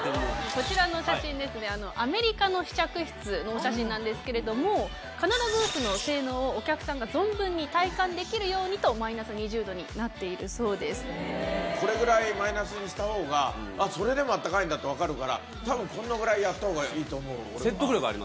こちらの写真ですね、アメリカの試着室のお写真なんですけれども、カナダグースの性能をお客さんが存分に体感できるようにと、マイナス２０度になっているそうこれぐらいマイナスにしたほうが、ああ、それでもあったかいんだって分かるから、たぶんこのぐらいやったほうがいいと思う、俺は。